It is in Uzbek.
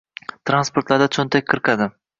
Transportlarda cho‘ntak qirqadi.